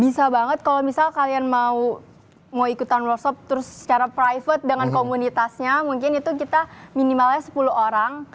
bisa banget kalau misal kalian mau ikutan workshop terus secara private dengan komunitasnya mungkin itu kita minimalnya sepuluh orang